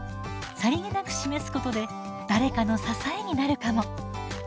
さりげなく示すことで誰かの支えになるかも。